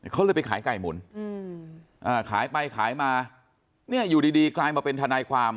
เขาเลยไปขายไก่หมุนขายไปขายมาเนี่ยอยู่ดีดีกลายมาเป็นทนายความ